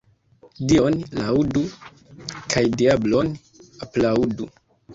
Dion laŭdu kaj diablon aplaŭdu.